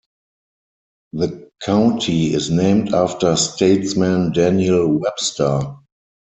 The county is named after statesman Daniel Webster.